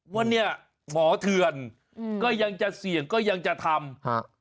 ว่าเนี่ยหมอเถื่อนก็ยังจะเสี่ยงก็ยังจะทำฮะ